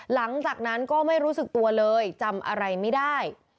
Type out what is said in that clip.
หลังจากนั้นก็ไม่รู้สึกตัวเลยจำอะไรไม่ได้